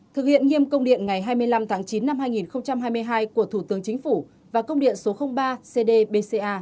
thực hiện nghiêm công điện ngày hai mươi năm tháng chín năm hai nghìn hai mươi hai của thủ tướng chính phủ và công điện số ba cdca